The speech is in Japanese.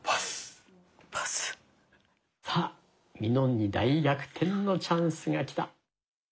さあみのんに大逆転のチャンスが来た。